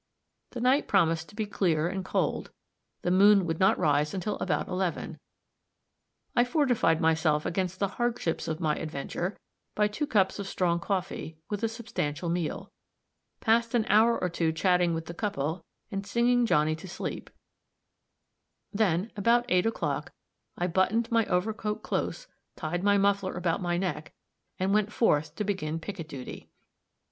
The night promised to be clear and cold; the moon would not rise until about eleven; I fortified myself against the hardships of my adventure by two cups of strong coffee, with a substantial meal; passed an hour or two chatting with the couple and singing Johnny to sleep; then, about eight o'clock, I buttoned my overcoat close, tied my muffler about my neck, and went forth to begin picket duty.